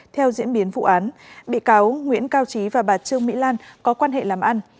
theo diễn biến vụ án bị cáo nguyễn cao trí và bà trương mỹ lan có quan hệ làm ăn